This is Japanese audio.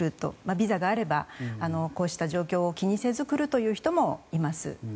ビザがあればこうした状況を気にせず来るという人もいます。